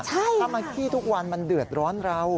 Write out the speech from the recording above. ใช่ค่ะถ้ามันขี่ทุกวันมันเดือดร้อนเรา